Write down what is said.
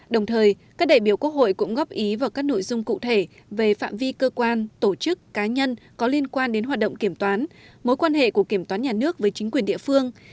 đồng thời các đại biểu quốc hội cũng góp ý vào các nội dung cụ thể về phạm vi cơ quan tổ chức cá nhân có liên quan đến hoạt động kiểm toán mối quan hệ của kiểm toán nhà nước với chính quyền địa phương